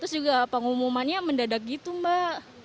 terus juga pengumumannya mendadak gitu mbak